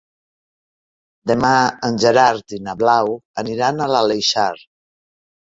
Demà en Gerard i na Blau aniran a l'Aleixar.